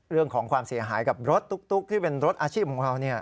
เรื่องของความเสียหายกับรถตุ๊กที่เป็นรถอาชีพของเขา